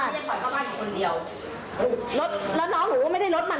แล้วน้องหนูก็ไม่ได้รถมัน